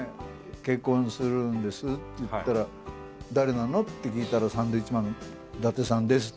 「結婚するんです」って言ったら誰なの？って聞いたら「サンドウィッチマンの伊達さんです」って。